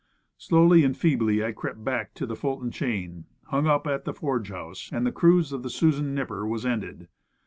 Slowly and feebly I crept back to the Ful ton Chain, hung up at the Forge House, and the cruise of the Susan Nipper was ended.